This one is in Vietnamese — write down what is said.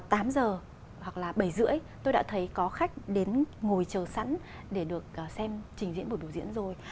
tám h hoặc là bảy h ba mươi tôi đã thấy có khách đến ngồi chờ sẵn để được xem trình diễn buổi biểu diễn rồi